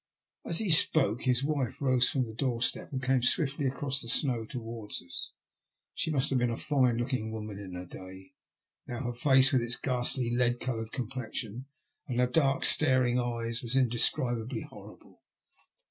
As he spoke his wife rose from the doorstep, and came swiftly across the snow towards us. She must have been a fine looking woman in her day ; now her face, with its ghastly, lead coloured complexion and dark, staring eyes was indescribably horrible.